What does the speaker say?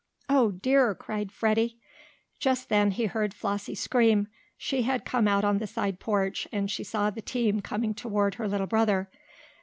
"Oh dear!" cried Freddie. Just then he heard Flossie scream. She had come out on the side porch, and she saw the team coming toward her little brother.